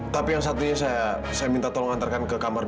tapi yang satunya saya minta tolong antarkan ke kamar dua ratus enam